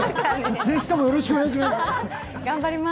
ぜびともよろしくお願いします。